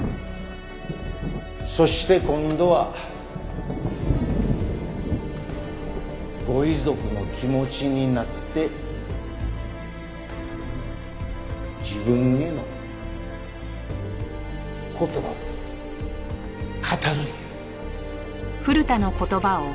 そして今度はご遺族の気持ちになって自分への言葉を語るんや。